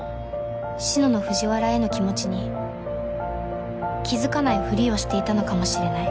志乃の藤原への気持ちに気付かないふりをしていたのかもしれない